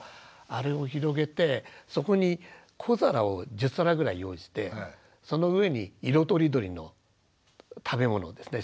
あれを広げてそこに小皿を１０皿ぐらい用意してその上に色とりどりの食べ物をですね